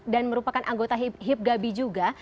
dan merupakan anggota hibgabi juga